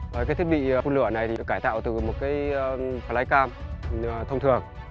cái thiết bị phun lửa này thì cải tạo từ một cái flycam thông thường